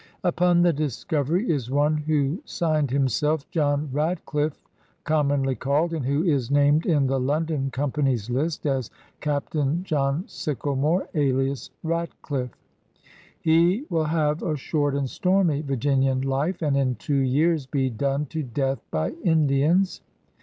Upon the Discovery is one who signed himself "John Radclyflfe, comenly called,'* and who is named in the London Company's list as " Captain John Sicklemore, alias Ratcliffe. " He will have a short and stormy Virginian life, and in two years be done to death by Indians.